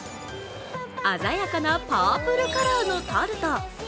鮮やかなパープルカラーのタルト。